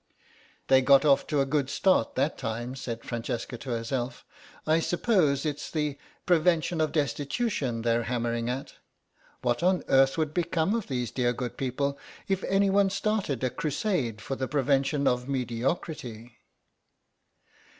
"They got off to a good start that time," said Francesca to herself; "I suppose it's the Prevention of Destitution they're hammering at. What on earth would become of these dear good people if anyone started a crusade for the prevention of mediocrity?"